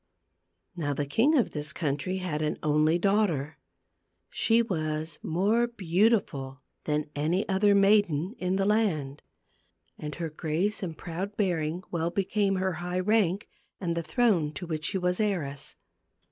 Now the king of this country had an only daughter. She was more beauti than any other maiden in the land ; and her grace and proud bearing well became her high rank, and the throne to which she was heiress.